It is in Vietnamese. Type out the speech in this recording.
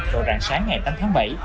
vào rạng sáng ngày tám tháng bảy